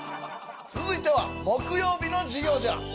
続いては木曜日の授業じゃ。